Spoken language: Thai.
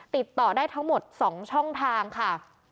ติดต่อได้ทั้งหมด๒ช่องทางค่ะ